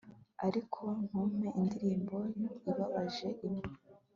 ariko ntumpe indirimbo ibabaje imwe